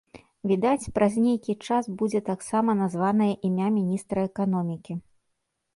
Відаць, праз нейкі час будзе таксама названае імя міністра эканомікі.